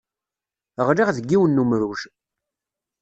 Ɣliɣ deg yiwen n umruj.